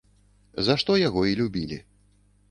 За што яго і любілі.